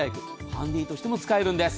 ハンディとしても使えるんです。